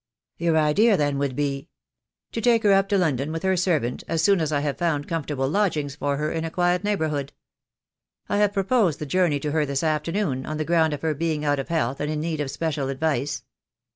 "Your idea then would be " "To take her up to London, with her servant, as soon as I have found comfortable lodgings for her in a quiet neighbourhood. I have proposed the journey to her this afternoon, on the ground of her being out of health and in need of special advice.